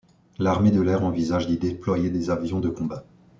L'armée de l'air envisage d'y déployer des avions de combat.